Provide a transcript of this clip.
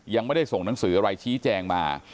ยังไม่ได้ส่งหนังสืออะไรชี้แจงมา